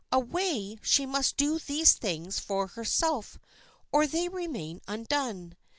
Away, she must do these things for herself or they remain undone.